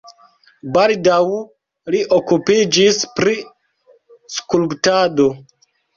Baldaŭ li okupiĝis pri skulptado.